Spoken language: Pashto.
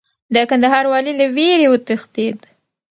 د کندهار والي له ویرې وتښتېد.